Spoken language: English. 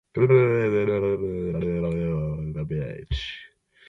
Next the kids were seen flying a kite at the beach.